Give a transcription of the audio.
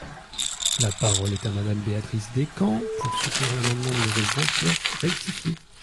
La parole est à Madame Béatrice Descamps, pour soutenir l’amendement numéro vingt-neuf rectifié.